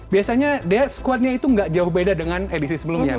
biasanya dia squadnya itu nggak jauh beda dengan edisi sebelumnya